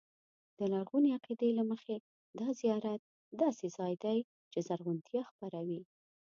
د لرغوني عقیدې له مخې دا زیارت داسې ځای دی چې زرغونتیا خپروي.